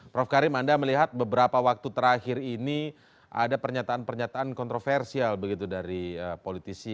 prof karim anda melihat beberapa waktu terakhir ini ada pernyataan pernyataan kontroversial begitu dari politisi